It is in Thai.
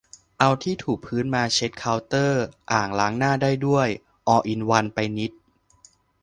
เอาที่ถูพื้นมาเช็ดเคาน์เตอร์อ่างล้างหน้าได้ด้วย ออลอินวันไปนิด